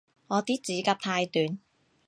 我啲指甲太短